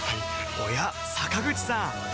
おや坂口さん